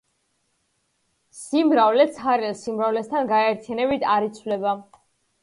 სიმრავლე ცარიელ სიმრავლესთან გაერთიანებით არ იცვლება.